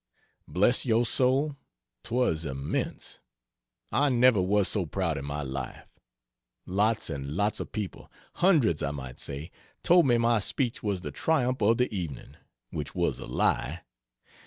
Bless your soul, 'twas immense. I never was so proud in my life. Lots and lots of people hundreds I might say told me my speech was the triumph of the evening which was a lie.